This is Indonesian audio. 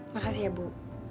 makasih ya bu